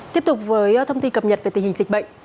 tiếp tục với thông tin cập nhật về tình hình dịch bệnh